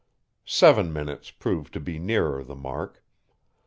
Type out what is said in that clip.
Seven minutes proved to be nearer the mark.